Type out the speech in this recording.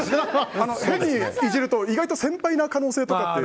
変にイジると意外と先輩な可能性とかって。